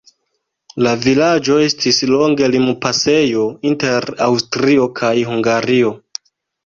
La vilaĝo estis longe limpasejo inter Aŭstrio kaj Hungario.